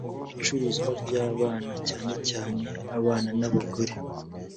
icuruzwa ry abantu cyane cyane abana n abagore